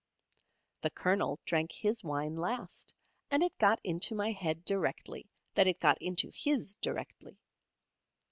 The Colonel drank his wine last, and it got into my head directly that it got into his directly.